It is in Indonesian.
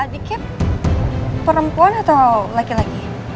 dikit perempuan atau laki laki